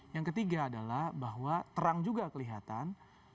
yang ketiga adalah bahwa terang juga kelihatan